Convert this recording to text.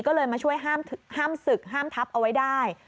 ก็เลยมาช่วยห้ามศึกห้ามทับเอาไว้ได้